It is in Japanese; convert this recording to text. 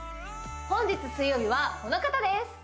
本日水曜日はこの方です